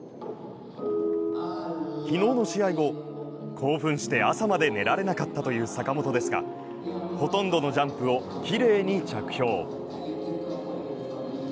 昨日の試合後、興奮して朝まで寝られなかったという坂本ですがほとんどのジャンプをきれいに着氷。